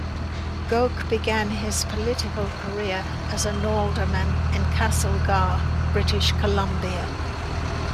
Gouk began his political career as an alderman in Castlegar, British Columbia.